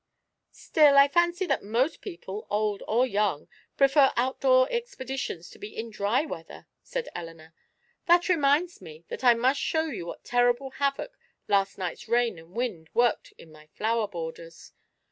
"Still, I fancy that most people, old or young, prefer outdoor expeditions to be in dry weather," said Elinor. "That reminds me that I must show you what terrible havoc last night's rain and wind worked in my flower borders.